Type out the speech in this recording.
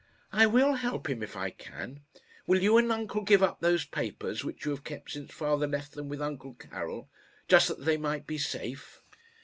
"I will help him if I can. Will you and uncle give up those papers which you have kept since father left them with uncle Karil, just that they might be safe?"